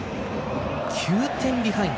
９点ビハインド。